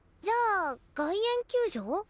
じゃあ外苑球場？